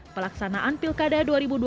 pelaksanaan pilkada dua ribu dua puluh